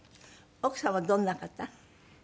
奥様どんな方？